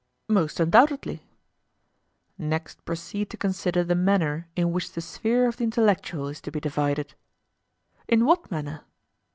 Most undoubtedly. Next proceed to consider the manner in which the sphere of the intellectual is to be divided. In what manner?